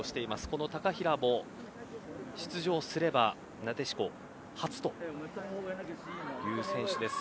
この高平も出場すればなでしこ初という選手です。